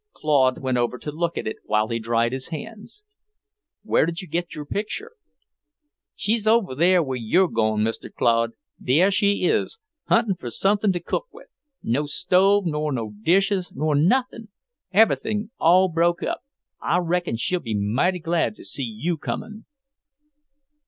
Claude went over to look at it while he dried his hands. "Where did you get your picture?" "She's over there where you're goin', Mr. Claude. There she is, huntin' for somethin' to cook with; no stove nor no dishes nor nothin' everything all broke up. I reckon she'll be mighty glad to see you comin'."